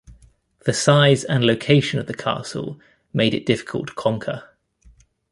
The size and location of the castle made it difficult to conquer.